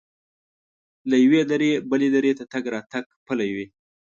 له یوې درې بلې درې ته تګ راتګ پلی وي.